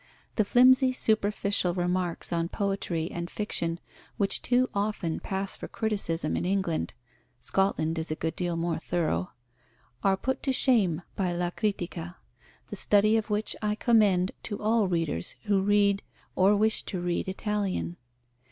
The flimsy superficial remarks on poetry and fiction which too often pass for criticism in England (Scotland is a good deal more thorough) are put to shame by La Critica, the study of which I commend to all readers who read or wish to read Italian.